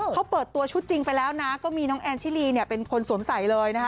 เขาเปิดตัวชุดจริงไปแล้วนะก็มีน้องแอนชิลีเนี่ยเป็นคนสวมใส่เลยนะคะ